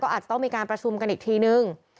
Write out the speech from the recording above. อาจจะต้องมีการประชุมกันอีกทีนึง